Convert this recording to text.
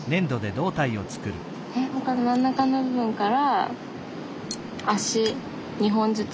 えっ真ん中の部分から足２本ずつ？